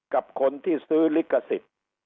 กับคนที่ซื้อลิขสิทธิ์